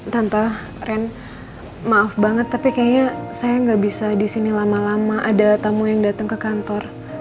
tante ren maaf banget tapi kayaknya saya gak bisa disini lama lama ada tamu yang datang ke kantor